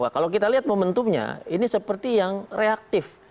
kalau kita lihat momentumnya ini seperti yang reaktif